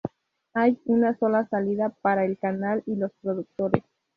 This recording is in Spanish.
Hay una sola salida para el canal y los productores.